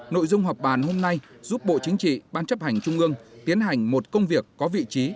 nội dung họp bàn hôm nay giúp bộ chính trị ban chấp hành trung ương tiến hành một công việc có vị trí